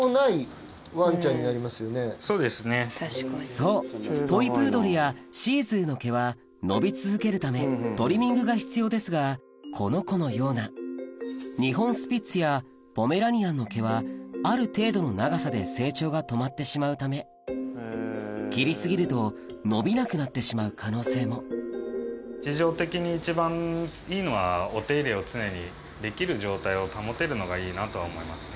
そうトイ・プードルやシー・ズーの毛は伸び続けるためトリミングが必要ですがこの子のような日本スピッツやポメラニアンの毛はある程度の長さで成長が止まってしまうため切り過ぎると伸びなくなってしまう可能性も日常的に一番いいのはお手入れを常にできる状態を保てるのがいいなとは思いますね。